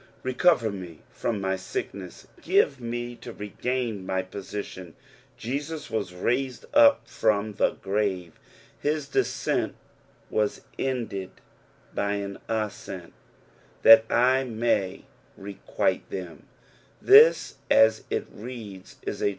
Recover me from my sickncsa, give me to regain my positioo, Jesua was raised up from the grave; bis descent was ended by an ascent, " That I may reguilt (A«ni," This aa it reads is a.